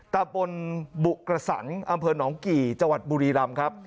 ตะบนบุกระสันอำเภอหนองกี่จังหวัดบุรีรำครับ